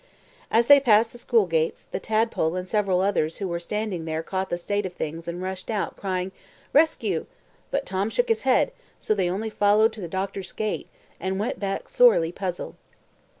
As they passed the School gates, the Tadpole and several others who were standing there caught the state of things, and rushed out, crying, "Rescue!" but Tom shook his head, so they only followed to the Doctor's gate, and went back sorely puzzled.